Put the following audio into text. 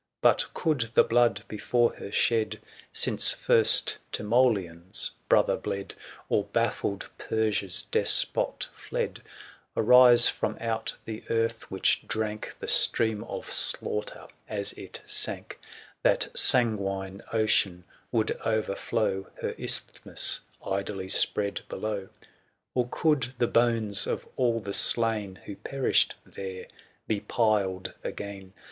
But could the blood before her shed Since first Timoleon's brother bled, THE SIEGE OF CORINTH. Or baffled Persia's despot fled, 15 Arise from out the earth which drank The stream of slaughter as it sank, That sanguine ocean would o'erflow Her isthmus idly spread below : Or could the bones of all the slain, 20 Who perished there, be piled again.